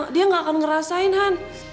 dia gak akan ngerasain han